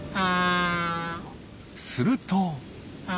すると。